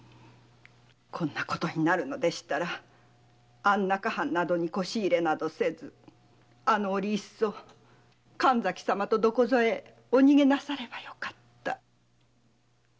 こんなことでしたら安中藩などに輿入れせずあの折いっそ神崎様とどこぞへお逃げなさればよかった。